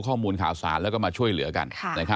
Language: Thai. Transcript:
ข้อมูลข่าวสารแล้วก็มาช่วยเหลือกัน